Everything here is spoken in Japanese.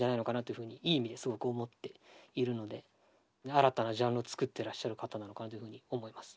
新たなジャンルを作っていらっしゃる方なのかなというふうに思います。